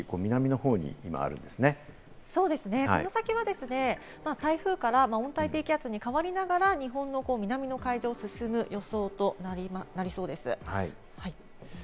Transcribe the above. この先は台風から温帯低気圧に変わりながら日本の南の海上を進む予想となりそうです。